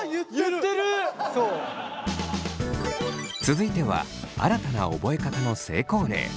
続いては新たな覚え方の成功例。